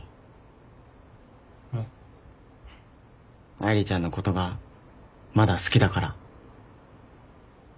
愛梨ちゃんのことがまだ好きだから。